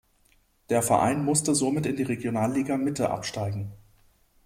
Der Verein musste somit in die Regionalliga Mitte absteigen.